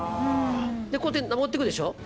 でこうやって登っていくでしょ。